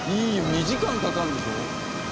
２時間かかるんでしょう？